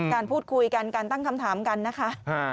การพูดคุยกันการตั้งคำถามกันนะคะ